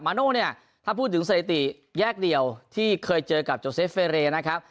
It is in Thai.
โน่เนี่ยถ้าพูดถึงสถิติแยกเดียวที่เคยเจอกับโจเซฟเฟเรยนะครับ